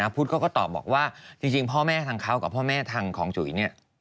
พุทธก็ตอบบอกว่าที่จริงพ่อแม่ทางเขากับพ่อแม่ทางของจุ๋ย